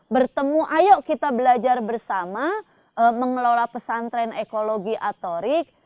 bertemu ayo kita belajar bersama mengelola pesantren ekologi atorik